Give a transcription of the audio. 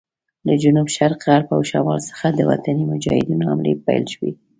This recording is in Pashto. له جنوب شرق، غرب او شمال څخه د وطني مجاهدینو حملې پیل شوې.